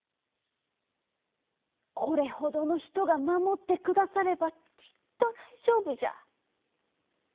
「これほどのひとがまもってくださればきっとだいじょうぶじゃ」。